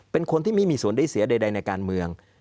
เป็นคนที่ไม่มีส่วนได้เสียใดในการเมือง